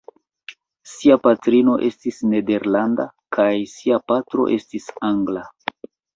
Sia patrino estis nederlanda kaj sia patro estis angla.